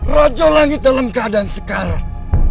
raja langit dalam keadaan sekarang